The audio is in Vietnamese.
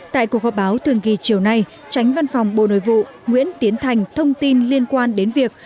tại cuộc họp báo thường kỳ chiều nay tránh văn phòng bộ nội vụ nguyễn tiến thành thông tin liên quan đến việc